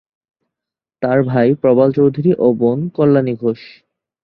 তার ভাই প্রবাল চৌধুরী ও বোন কল্যাণী ঘোষ।